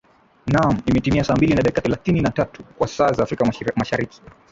naam imetimia saa mbili na dakika thelathini na tatu kwa saa za afrika mashariki